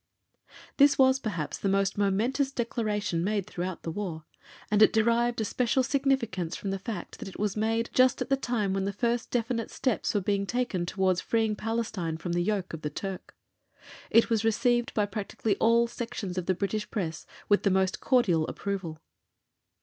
This was, perhaps, the most momentous Declaration made throughout the War, and it derived a special significance from the fact that it was made just at the time when the first definite steps were being taken towards freeing Palestine from the yoke of the Turk. It was received by practically all sections of the British Press with the most cordial approval.